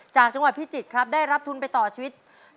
จังหวัดพิจิตรครับได้รับทุนไปต่อชีวิต